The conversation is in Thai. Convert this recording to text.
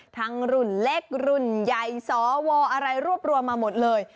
รุ่นเล็กรุ่นใหญ่สวอะไรรวบรวมมาหมดเลย